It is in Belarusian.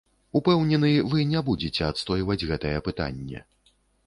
Упэўнены, вы не будзеце адстойваць гэтае пытанне.